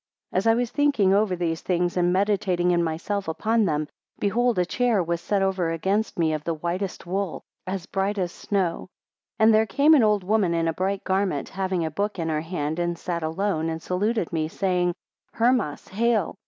16 As I was thinking over these things, and meditating in myself upon them, behold a chair was set over against me of the whitest wool, as bright as snow. 17 And there came an old woman in a bright garment, having a book in her hand, and sat alone, and saluted me, saying, Hermas, hail!